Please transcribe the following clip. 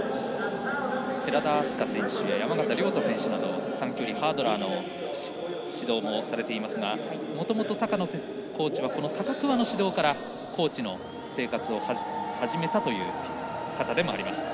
寺田選手や山縣選手など短距離、ハードラーの指導もされていますがもともと高野コーチは高桑の指導からコーチの生活を始めたという方でもあります。